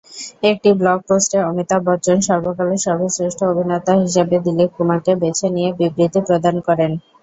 একটি ব্লগ পোস্টে অমিতাভ বচ্চন সর্বকালের সর্বশ্রেষ্ঠ অভিনেতা হিসেবে দিলীপ কুমারকে বেছে নিয়ে বিবৃতি প্রদান করেন।